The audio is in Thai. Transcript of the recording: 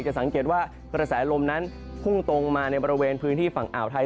สังเกตว่ากระแสลมนั้นพุ่งตรงมาในบริเวณพื้นที่ฝั่งอ่าวไทย